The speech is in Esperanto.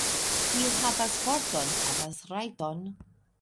Kiu havas forton, havas rajton.